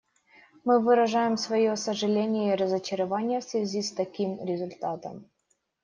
Мы выражаем свое сожаление и разочарование в связи с таким результатом.